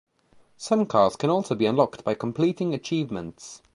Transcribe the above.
Some cars can also be unlocked by completing achievements.